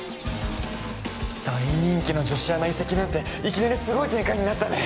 大人気の女子アナ移籍なんていきなりすごい展開になったね